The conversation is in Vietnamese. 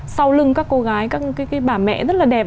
sau lưng các cô gái các bà mẹ rất là đẹp